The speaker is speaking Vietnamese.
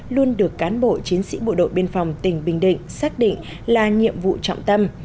luôn được cán bộ chiến sĩ bộ đội biên phòng tỉnh bình định xác định là nhiệm vụ trọng tâm